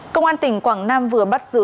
công an tỉnh quảng nam vừa bắt giữ